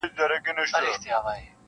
• بیرته سم پر لار روان سو ګړندی سو -